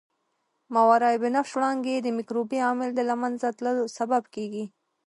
ماورای بنفش وړانګې د مکروبي عامل د له منځه تلو سبب کیږي.